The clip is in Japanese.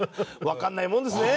わかんないもんですね！